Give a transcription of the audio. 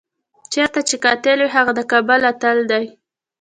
چېرته چې قاتل وي هغه د کابل اتل دی.